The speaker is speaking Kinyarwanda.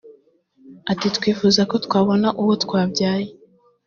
Ati”Twifuza ko twabona uwo twabyaye